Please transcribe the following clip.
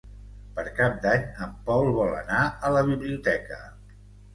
Per Cap d'Any en Pol vol anar a la biblioteca.